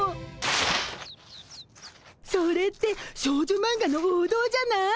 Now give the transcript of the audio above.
それって少女マンガの王道じゃない？